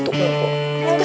ya udah deh bik